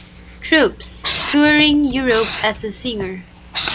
Troops, touring Europe as a singer.